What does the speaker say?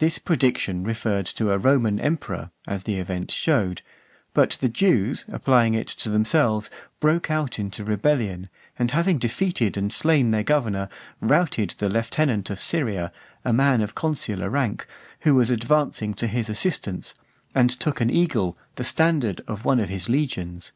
This prediction referred to a Roman emperor, as the event shewed; but the Jews, applying it to themselves, broke out into rebellion, and having defeated and slain their governor , routed the lieutenant of Syria , a man of consular rank, who was advancing to his assistance, and took an eagle, the standard, of one of his legions.